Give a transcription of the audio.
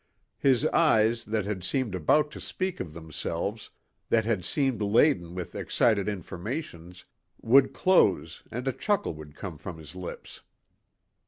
His eyes that had seemed about to speak of themselves, that had seemed laden with excited informations would close and a chuckle would come from his lips.